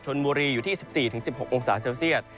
ชนบุรีอยู่ที่๑๔๑๖องศาเซลเซียต